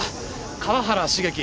河原茂樹。